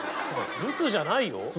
ブスじゃないよ。